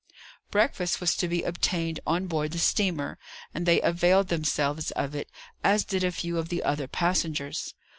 Breakfast was to be obtained on board the steamer, and they availed themselves of it, as did a few of the other passengers.